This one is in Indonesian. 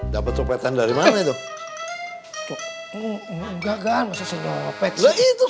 dapet sopetan dari mana itu